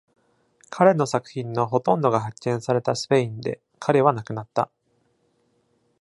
彼の作品のほとんどが発見されたスペインで、彼は亡くなった。